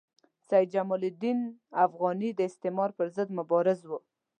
سید جمال الدین افغاني د استعمار پر ضد مبارز وو.